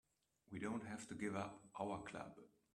We don't have to give up our club.